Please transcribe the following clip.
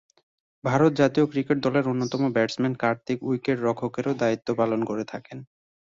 ভারত জাতীয় ক্রিকেট দলের অন্যতম ব্যাটসম্যান কার্তিক উইকেট-রক্ষকেরও দায়িত্ব পালন করে থাকেন।